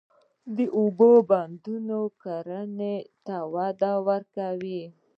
د اوبو بندونه کرنې ته وده ورکوي.